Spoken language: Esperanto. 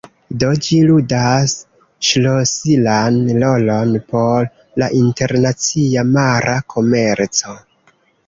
Do, ĝi ludas ŝlosilan rolon por la internacia mara komerco.